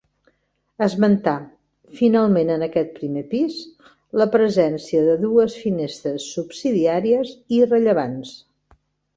Esmentar, finalment en aquest primer pis, la presència de dues finestres subsidiàries irrellevants.